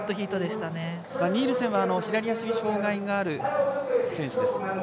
ニールセンは左足に障がいのある選手です。